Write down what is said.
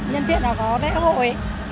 nhân tiện là có lễ hội